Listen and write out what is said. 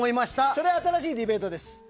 それは新しいディベートです。